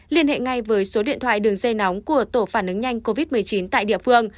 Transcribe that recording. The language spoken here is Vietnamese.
liên hệ ngay với số điện thoại đường dây nóng của tổ phản ứng nhanh covid một mươi chín tại địa phương